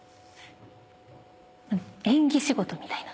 演技仕事みたいな。